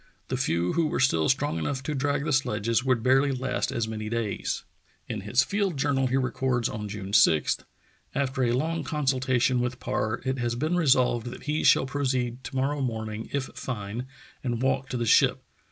'' The few who were still strong enough to drag the sledges would barely last as many days!" In his field journal he records on June 6: "After a lonjr consultation with Parr it has been resolved that he shall proceed to morrow morning, if fine, and walk to the ship.